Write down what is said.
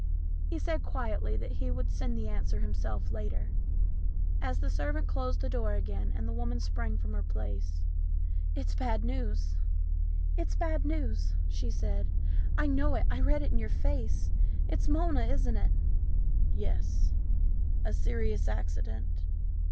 He said quietly that he would send the answer himself later. As the servant closed the door again the woman sprang from her place. " It's bad news," she said. " I know it I read it in your face. It's Mona, isn't it ?"" Yes. A serious accident.